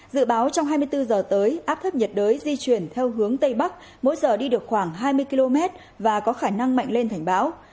dự báo trong hai mươi bốn giờ tới áp thấp nhiệt đới di chuyển theo hướng tây bắc mỗi giờ đi được khoảng hai mươi km và có khả năng mạnh lên thành bão